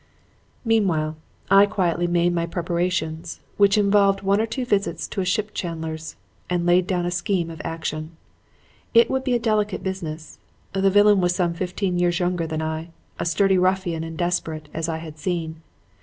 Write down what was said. "Meanwhile I quietly made my preparations which involved one or two visits to a ship chandler's and laid down a scheme of action. It would be a delicate business. The villain was some fifteen years younger than I; a sturdy ruffian and desperate, as I had seen.